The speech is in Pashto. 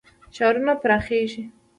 ښارونه پراخیږي.